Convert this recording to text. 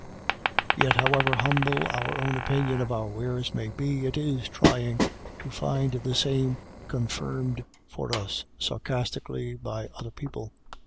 Yet, however humble our own opinion of our wares may be, it is trying to find the same confirmed for us, sarcas tically, by other people.